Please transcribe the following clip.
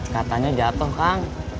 katanya jatuh kang